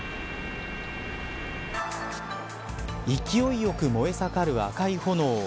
勢いよく燃えさかる赤い炎。